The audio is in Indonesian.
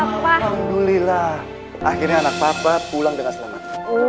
alhamdulillah akhirnya anak papa pulang dengan selamat